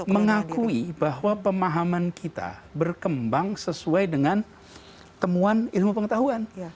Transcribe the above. mengakui bahwa pemahaman kita berkembang sesuai dengan temuan ilmu pengetahuan